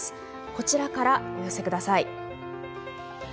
こちらから、お寄せください。